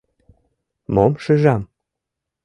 Мом шижам?